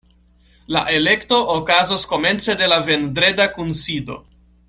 La elekto okazos komence de la vendreda kunsido.